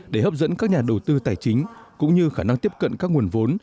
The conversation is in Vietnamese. để hấp dẫn các nhà đầu tư tài chính cũng như khả năng tiếp cận các nguồn vốn